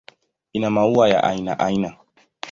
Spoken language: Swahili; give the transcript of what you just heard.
Ina maua ya aina aina.